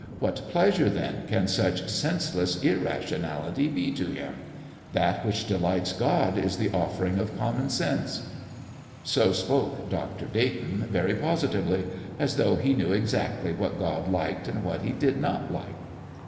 What pleasure, then, can such senseless irrationality be to Him? That which delights God is the offering of common sense." So spoke Dr. Dayton very positively, as though he knew exactly what God liked and what He did not like.